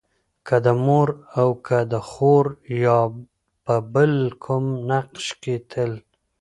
که د مور او که د خور يا په بل کوم نقش کې تل